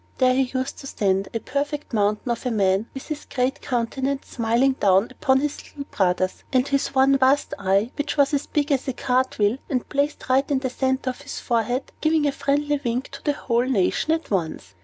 There he used to stand, a perfect mountain of a man, with his great countenance smiling down upon his little brothers, and his one vast eye (which was as big as a cart wheel, and placed right in the center of his forehead) giving a friendly wink to the whole nation at once.